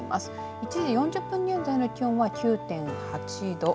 １時４０分現在の気温は９．８度。